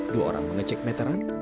dua orang mengecek meteran